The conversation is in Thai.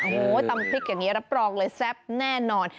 โอ้โหตำพริกอย่างนี้รับรองเลยแซ่บแน่นอน